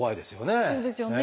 そうですよね。